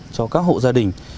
cho các hộ gia đình